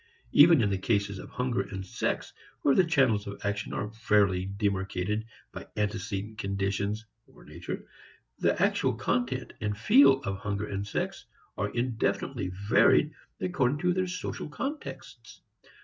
Even in the cases of hunger and sex, where the channels of action are fairly demarcated by antecedent conditions (or "nature"), the actual content and feel of hunger and sex, are indefinitely varied according to their social contexts.